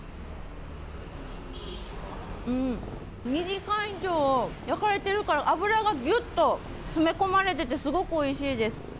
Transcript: うーん、２時間以上、焼かれてるから脂がぎゅっと詰め込まれてて、すごくおいしいです。